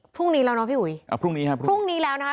พรุ่งนี้แล้วเนาะพี่อุ๋ยอ่าพรุ่งนี้ครับพรุ่งนี้แล้วนะคะ